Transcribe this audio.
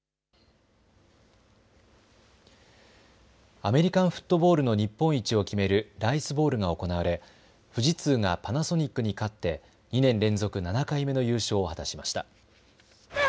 アメリカンフットボールの日本一を決めるライスボウルが行われ富士通がパナソニックに勝って２年連続７回目の優勝を果たしました。